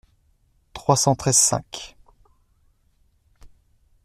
trois cent treize-cinq.